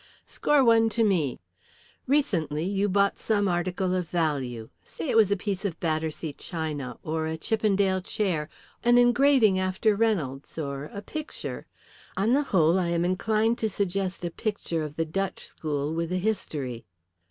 "Score one to me. Recently you bought some article of value. Say it was a piece of Battersea china or a Chippendale chair, an engraving after Reynolds, or a picture. On the whole I am inclined to suggest a picture of the Dutch school with a history."